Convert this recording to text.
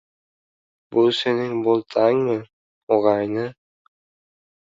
– Bu sening boltangmi, ogʻayni?